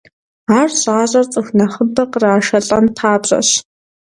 Ар щӀащӀэр цӀыху нэхъыбэ кърашалӀэн папщӏэщ.